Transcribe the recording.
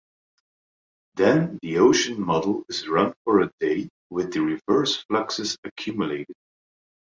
Then the ocean model is run for a day, with the reverse fluxes accumulated.